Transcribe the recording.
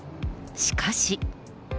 しかし。